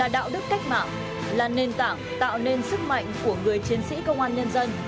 đạo đức cách mạng là nền tảng tạo nên sức mạnh của người chiến sĩ công an nhân dân